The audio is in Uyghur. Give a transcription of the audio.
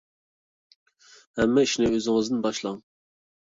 ھەممە ئىشنى ئۆزىڭىزدىن باشلاڭ.